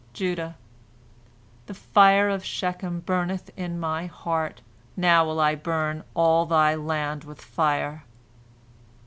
Judah: "The fire of Shechem burneth in my heart, now will I burn all thy land with fire."